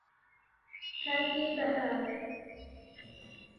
کاتی بەهار